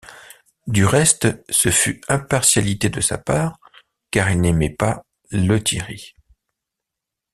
Du reste, ce fut impartialité de sa part, car il n’aimait pas Lethierry.